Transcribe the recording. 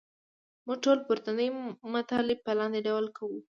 موږ ټول پورتني مطالب په لاندې ډول خلاصه کوو.